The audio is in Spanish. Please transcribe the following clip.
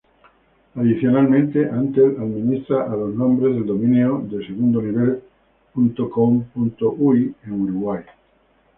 Adicionalmente, Antel administra los nombres del dominio de segundo nivel ".com.uy" en Uruguay.